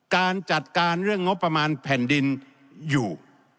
การจัดการเรื่องงบประมาณแผ่นดินอยู่